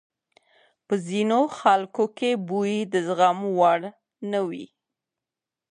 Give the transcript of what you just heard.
په ځینو خلکو کې بوی د زغم وړ نه وي.